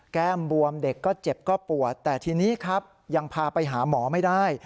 บวมเด็กก็เจ็บก็ปวดแต่ทีนี้ครับยังพาไปหาหมอไม่ได้